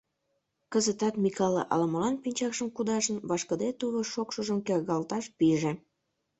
Кызытат Микале, ала-молан пинчакшым кудашын, вашкыде тувыр шокшыжым кергалташ пиже.